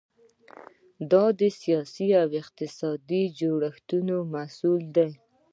دا د سیاسي او اقتصادي جوړښتونو محصول دی.